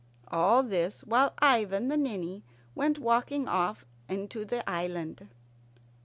All this while Ivan the Ninny went walking off into the island.